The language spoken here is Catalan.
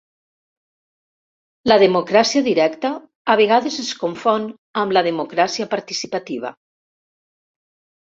La democràcia directa a vegades es confon amb la democràcia participativa.